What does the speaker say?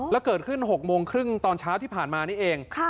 แล้วเกิดขึ้น๖โมงครึ่งตอนเช้าที่ผ่านมานี่เอง